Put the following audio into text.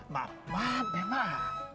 mak mak memang